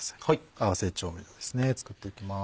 合わせ調味料ですね作っていきます。